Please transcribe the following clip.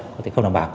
có thể không đảm bảo